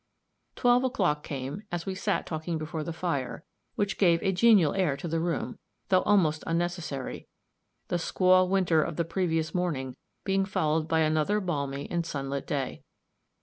Twelve o'clock came, as we sat talking before the fire, which gave a genial air to the room, though almost unnecessary, the "squaw winter" of the previous morning being followed by another balmy and sunlit day.